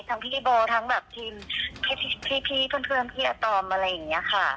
พี่โบทั้งแบบทีมพี่เพื่อนพี่อาตอมอะไรอย่างนี้ค่ะ